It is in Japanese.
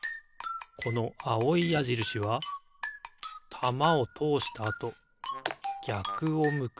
このあおいやじるしはたまをとおしたあとぎゃくを向く。